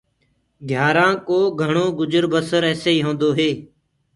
گھيآرآنٚ ڪو گھڻو گُجر بسر ايسي ئي هوندو هي۔